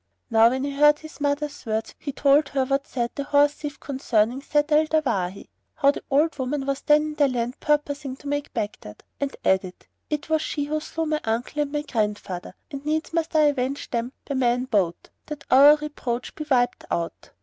Now when he heard his mother's words he told her what said the horse thief concerning Zat al Dawahi, how the old woman was then in their land purposing to make Baghdad, and added, "It was she who slew my uncle and my grandfather, and needs must I avenge them with man bote, that our reproach be wiped out."